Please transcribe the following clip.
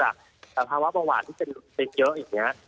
หรือภาวะเบาหวานที่เป็นเยอะ